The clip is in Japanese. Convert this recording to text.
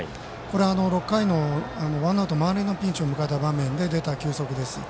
６回のワンアウト満塁のピンチを迎えた場面で出た球速です。